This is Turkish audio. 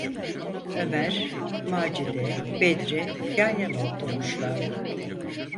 Ömer, Macide, Bedri yan yana oturmuşlardı.